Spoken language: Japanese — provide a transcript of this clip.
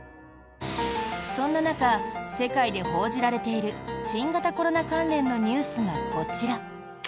そんな中、世界で報じられている新型コロナ関連のニュースがこちら。